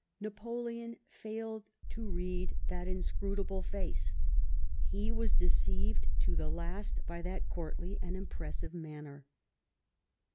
Napoleon failed to read that inscrutable face. He was deceived to the last by that courtly and impressive manner.